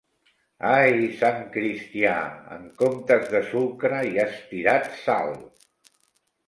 Ai, sant cristià, en comptes de sucre hi has tirat sal!